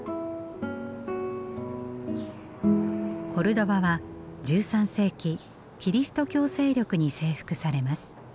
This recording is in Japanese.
コルドバは１３世紀キリスト教勢力に征服されます。